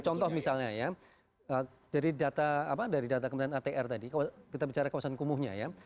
contoh misalnya ya dari data kementerian atr tadi kalau kita bicara kawasan kumuhnya ya